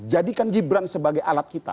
jadikan gibran sebagai alat kita